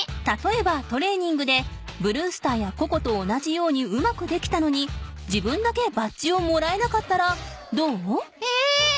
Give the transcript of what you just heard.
たとえばトレーニングでブルースターやココと同じようにうまくできたのに自分だけバッジをもらえなかったらどう？え！？